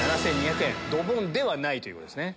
ドボンではないということですね。